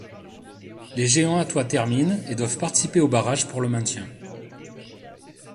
Les Géants athois terminent et doivent participer au barrages pour le maintien.